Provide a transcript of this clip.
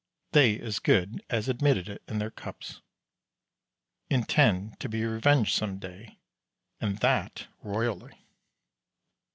They as good as admitted it in their cups. Intend to be revenged some day, and that royally.